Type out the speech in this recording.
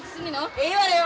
ええわらよ。